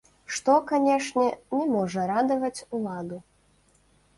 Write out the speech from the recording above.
Што, канешне, не можа радаваць уладу.